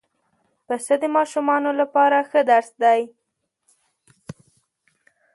پسه د ماشومانو لپاره ښه درس دی.